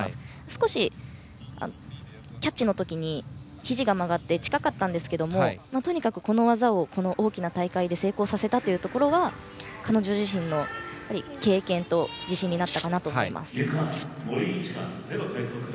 少しキャッチの時にひじが曲がって近かったんですけどもとにかく、この技を大きな大会で成功させたところは彼女自身の経験と自信になったかなと思います。